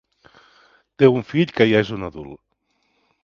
Té un fill que ja és un adult.